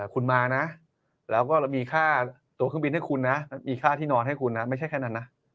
คุณมานะแล้วก็มีค่าตัวเครื่องบินให้คุณนะมีค่าที่นอนให้คุณนะไม่ใช่แค่นั้นนะ